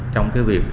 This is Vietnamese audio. trong cái việc